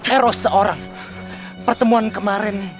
eros seorang pertemuan kemarin